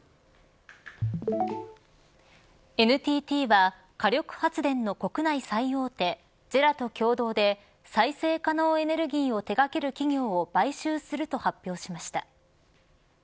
ＮＴＴは火力発電の国内最大手ＪＥＲＡと共同で再生可能エネルギーを手掛ける企業を買収すると発表しました。